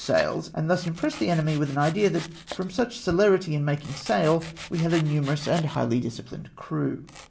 sails, and thus impress tlie enemy with an idea that from such celerity in making sail we had a numerous and highly disciphned crew.